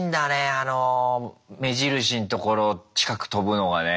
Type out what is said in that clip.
あの目印のところ近く飛ぶのがね。